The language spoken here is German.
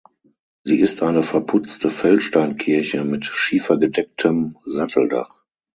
Sie ist eine verputzte Feldsteinkirche mit schiefergedecktem Satteldach.